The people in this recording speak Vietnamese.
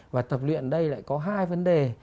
và tập luyện đây lại có hai vấn đề